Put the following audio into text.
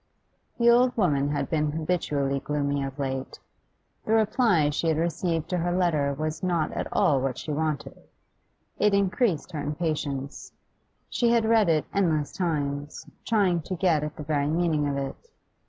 The old woman had been habitually gloomy of late. The reply she had received to her letter was not at all what she wanted; it increased her impatience; she had read it endless times, trying to get at the very meaning of it.